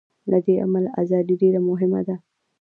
له دې امله ازادي ډېره مهمه ده.